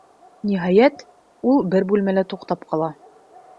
Ниһайәт, ул бер бүлмәлә туҡтап ҡала.